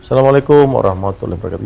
assalamualaikum warahmatullahi wabarakatuh